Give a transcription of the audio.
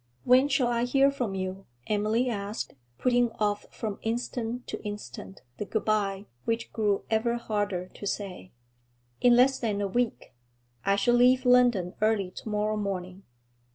'When shall I hear from you?' Emily asked, putting off from instant to instant the good bye, which grew ever harder to say. 'In less than a week. I shall leave London early tomorrow morning.'